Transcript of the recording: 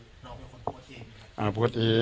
โพสต์อันนี้คือน้องเป็นคนโพสต์เองหรือเปล่า